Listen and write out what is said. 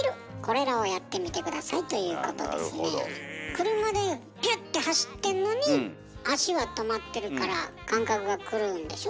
車でピュッて走ってんのに足は止まってるから感覚が狂うんでしょ？